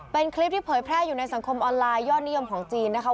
เป็นคลิปที่เผยแพร่อยู่ในสังคมออนไลน์ยอดนิยมของจีนนะคะ